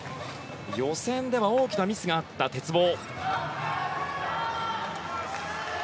予選では大きなミスがあった鉄棒。